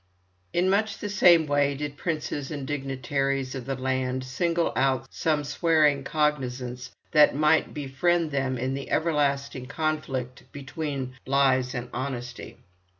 In much the same way did princes and dignitaries of the land single out some swearing cognizance that might befriend them in the everlasting conflict between lies and honesty.